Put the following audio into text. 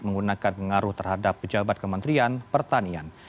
menggunakan pengaruh terhadap pejabat kementerian pertanian